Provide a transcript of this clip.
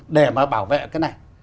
để mà bảo vệ cái này